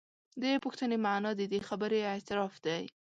د پوښتنې معنا د دې خبرې اعتراف دی.